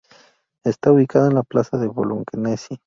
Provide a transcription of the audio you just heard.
Está ubicada en la plaza Bolognesi.